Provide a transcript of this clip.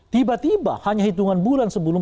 tiba tiba hanya hitungan bulan sebelum